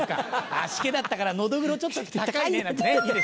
あしけだったからノドグロちょっと高いねいいでしょ？